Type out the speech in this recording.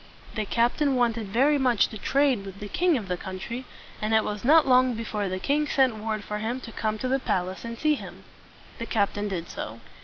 The captain wanted very much to trade with the king of the country; and it was not long before the king sent word for him to come to the palace and see him. The captain did so.